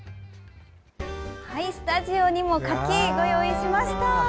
スタジオにも柿、ご用意しました！